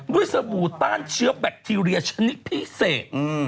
ด้วยสมุตรต้านเชื้อแบคทีเรียชนิดพิเศษ